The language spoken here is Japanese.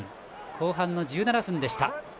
後半の１７分でした。